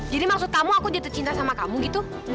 jadi maksud kamu aku jatuh cinta sama kamu gitu